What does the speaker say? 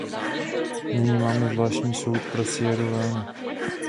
Nyní máme Zvláštní soud pro Sierru Leone.